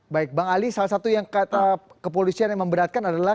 baik bang ali salah satu yang kata kepolisian yang memberatkan adalah